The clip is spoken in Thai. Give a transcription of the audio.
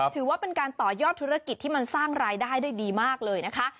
ถือว่าเป็นการต่อยอดธุรกิจที่มันสร้างรายได้ได้ดีมากเลยนะคะ